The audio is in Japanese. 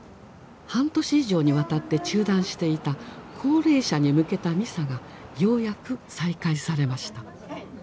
半年以上にわたって中断していた高齢者に向けたミサがようやく再開されました。